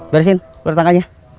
barisin ular tangganya